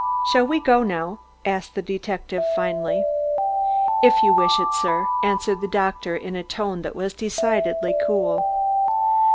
"Shall we go now?" asked the detective finally. "If you wish it, sir," answered the doctor in a tone that was decidedly cool.